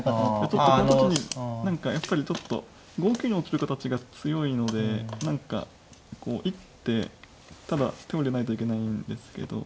ちょっとこの時に何かやっぱりちょっと５九に落ちる形が強いので何か一手ただ手を入れないといけないんですけど。